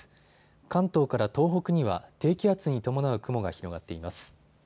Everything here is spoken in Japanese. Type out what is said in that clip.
関東から東北には、低気圧に伴う雲が広がっています。